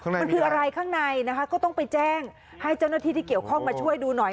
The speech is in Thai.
มันคืออะไรข้างในนะคะก็ต้องไปแจ้งให้เจ้าหน้าที่ที่เกี่ยวข้องมาช่วยดูหน่อย